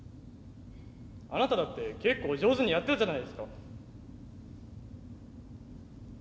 あなただって結構上手にやってたじゃないですか。